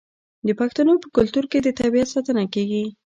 د پښتنو په کلتور کې د طبیعت ساتنه کیږي.